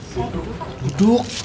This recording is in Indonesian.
saya duduk pak